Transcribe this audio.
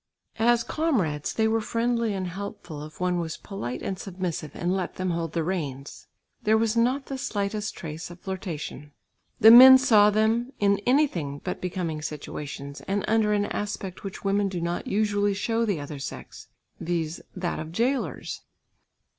As comrades, they were friendly and helpful if one was polite and submissive and let them hold the reins. There was not the slightest trace of flirtation; the men saw them in anything but becoming situations, and under an aspect which women do not usually show to the other sex, viz. that of jailers.